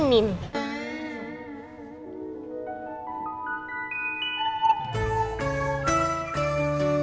pernah ke mana